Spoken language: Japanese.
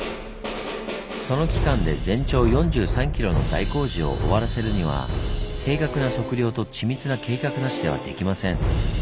その期間で全長４３ｋｍの大工事を終わらせるには正確な測量と緻密な計画なしではできません。